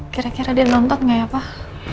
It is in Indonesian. kira kira dia nonton nggak ya pak